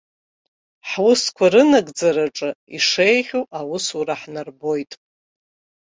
Ҳусқәа рынагӡараҿы ишеиӷьу аусура ҳнарбоит.